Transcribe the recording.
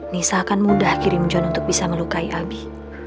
nisa akan mudah kirim john untuk bisa melukai abi